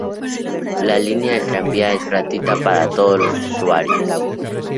La línea del tranvía es gratuita para todos los usuarios.